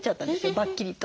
バッキリと。